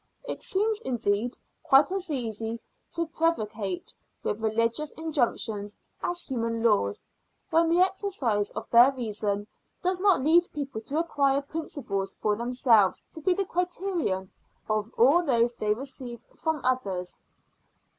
It seems, indeed, quite as easy to prevaricate with religious injunctions as human laws, when the exercise of their reason does not lead people to acquire principles for themselves to be the criterion of all those they receive from others.